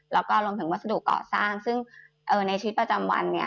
แล้วก็รวมถึงวัสดุก่อสร้างซึ่งในชีวิตประจำวันเนี่ย